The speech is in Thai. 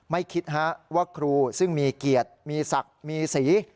ไม่คิดว่าครูซึ่งมีเกียรติมีศักดิ์มีสี